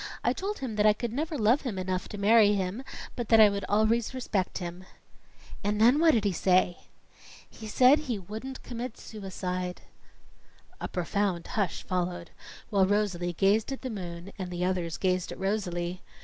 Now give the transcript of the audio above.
"I told him that I could never love him enough to marry him, but that I would always respect him." "And then what did he say?" "He said he wouldn't commit suicide." A profound hush followed, while Rosalie gazed at the moon and the others gazed at Rosalie.